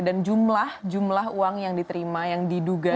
dan jumlah uang yang diterima yang diduga